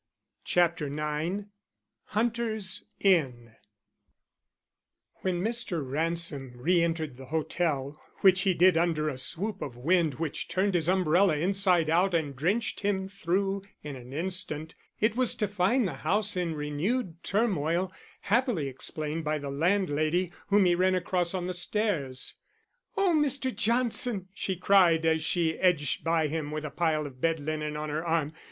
CHAPTER IX HUNTER'S INN When Mr. Ransom re entered the hotel, which he did under a swoop of wind which turned his umbrella inside out and drenched him through in an instant, it was to find the house in renewed turmoil, happily explained by the landlady, whom he ran across on the stairs. "Oh, Mr. Johnston!" she cried as she edged by him with a pile of bed linen on her arm.